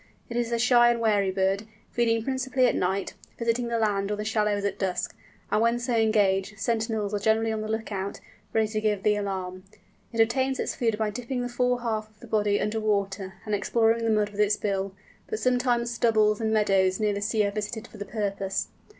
It is a shy and wary bird, feeding principally at night, visiting the land or the shallows at dusk, and when so engaged, sentinels are generally on the look out, ready to give the alarm. It obtains its food by dipping the fore half of the body under water, and exploring the mud with its bill; but sometimes stubbles and meadows near the sea are visited for the purpose.